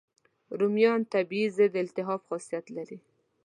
رومیان طبیعي ضد التهاب خاصیت لري.